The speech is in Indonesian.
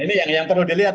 ini yang perlu dilihat